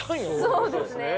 そうですね。